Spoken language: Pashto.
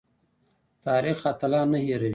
تاریخ اتلان نه هیروي